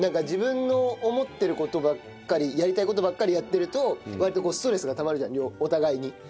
自分の思ってる事ばっかりやりたい事ばっかりやってると割とストレスがたまるじゃんお互いに。